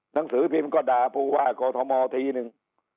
หนังสือภิพธิ์ก็ด่าผู้ว่ากอธมอธ์ทีนึง